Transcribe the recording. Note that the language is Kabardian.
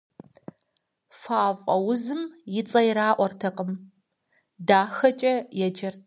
Фафӏэ узым и цӏэ ираӏуэртэкъым, «дахэкӏэ» еджэрт.